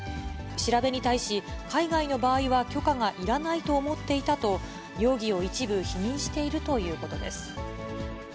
調べに対し、海外の場合は許可がいらないと思っていたなどと、容疑を一部否認しているということです。